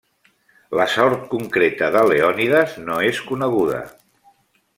La sort concreta de Leònides no és coneguda.